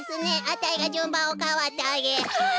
あたいがじゅんばんをかわってあげハッ！